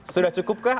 sudah cukup kah